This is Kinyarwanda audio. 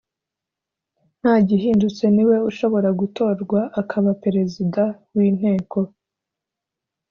Ntagihindutse niwe ushobora gutorwa akaba Perezida w’ Inteko